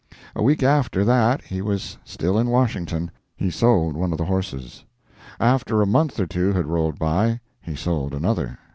A week after that he was still in Washington. He sold one of the horses. After a month or two had rolled by he sold another.